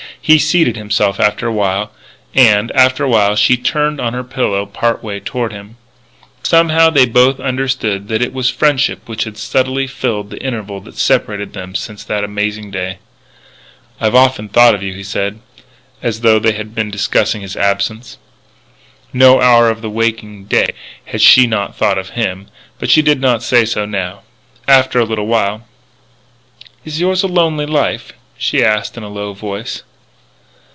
He seated himself after a while. And, after a while, she turned on her pillow part way toward him. Somehow they both understood that it was friendship which had subtly filled the interval that separated them since that amazing day. "I've often thought of you," he said, as though they had been discussing his absence. No hour of the waking day that she had not thought of him. But she did not say so now. After a little while: "Is yours a lonely life?" she asked in a low voice.